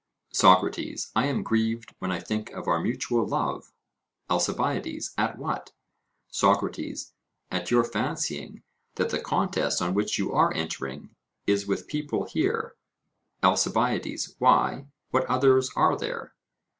SOCRATES: I am grieved when I think of our mutual love. ALCIBIADES: At what? SOCRATES: At your fancying that the contest on which you are entering is with people here. ALCIBIADES: Why, what others are there?